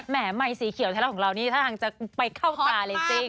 แหมมัยสีเขียวแท้ละของเรานี่ทางจะไปเข้าตาเลยจริง